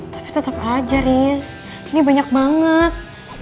tapi tetep aja riz ini banyak banget